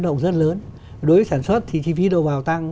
đối với sản xuất thì chi phí đồ vào tăng